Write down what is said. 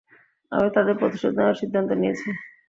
আমি তাদের প্রতিশোধ নেওয়ার সিদ্ধান্ত নিয়েছি।